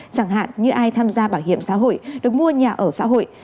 chẳng hạn như ai tham gia bảo hiểm xã hội được mua nhà ở xã hội